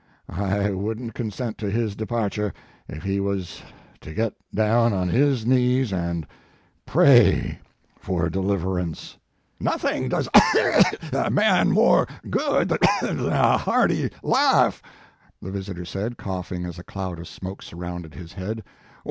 I wouldn t consent to his departure, if he was to get down on his knees and pray for deliverance." " No thing does a man more good than a hearty laugh," the visitor said, cough ing as a cloud of smoke surrounded his head.